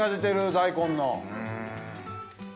大根の。